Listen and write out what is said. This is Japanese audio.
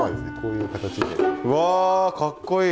うわかっこいい。